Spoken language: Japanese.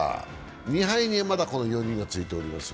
２敗にまだこの４人がついておりますが。